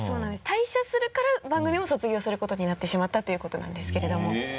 退社するから番組も卒業することになってしまったということなんですけれども。